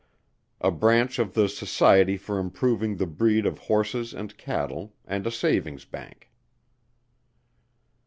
A Branch of the Society for improving the breed of Horses and Cattle, and a Savings' Bank.